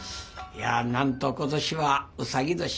なんと今年はうさぎ年。